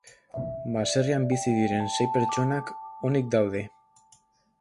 Baserrian bizi diren sei pertsonak onik daude.